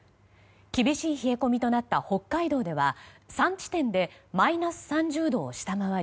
厳しい冷え込みとなった北海道では３地点でマイナス３０度を下回り